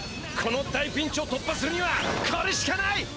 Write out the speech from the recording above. この大ピンチを突破するにはこれしかない！